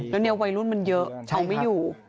แล้วเนี่ยวัยรุ่นมันเยอะเอาไม่อยู่